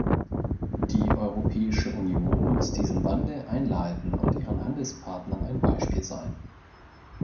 Die Europäische Union muss diesen Wandel einleiten und ihren Handelspartnern ein Beispiel sein.